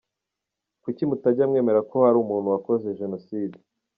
Kuki mutajya mwemera ko hari umuntu wakoze jenoside??